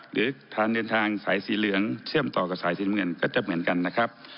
หรือทางเดินทางสายสีเหลืองเชื่อมต่อกับสายสีน้ำเงินก็จะเหมือนกันนะครับ